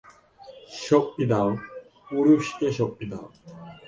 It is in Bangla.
শক্তি দাও, পুরুষকে শক্তি দাও।